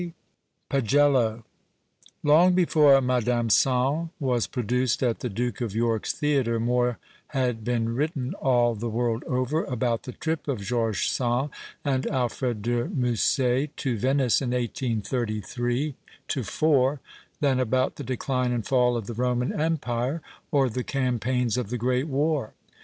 211 PAGELLO Long before Madame Sand was produced at the Duke of York's Theatre more had been \vritten all the world over about the trip of George Sand and Alfred de Musset to Venice in 1833 4 than about the decline and fall of the Roman Empire or the campaigns of the Great War.